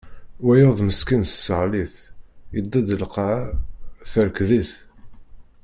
Wayeḍ meskin tesseɣli-t, yedded di lqaɛa, terkeḍ-it.